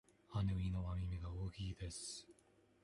あの犬は耳が大きいです。